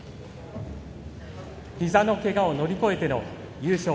ひざのけがを乗り越えての優勝。